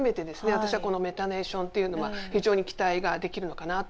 私はこのメタネーションっていうのは非常に期待ができるのかなと思っています。